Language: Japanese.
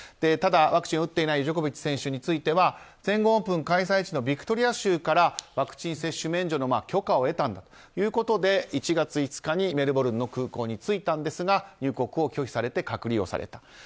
ただ、ワクチンを打っていないジョコビッチ選手については全豪オープン開催地のビクトリア州からワクチン接種免除の許可を得たんだということで１月５日にメルボルンの空港に着いたんですが入国を拒否されて隔離をされた。